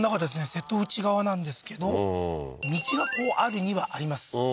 瀬戸内側なんですけど道がこうあるにはあります